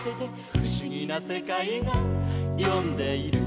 「ふしぎなせかいがよんでいる」